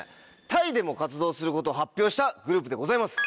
タイでも活動することを発表したグループでございます。